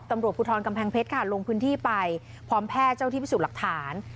ตำรวจภูทรกำแพงเพชรค่ะลงพื้นที่ไปพร้อมแพทย์เจ้าที่พิสูจน์หลักฐาน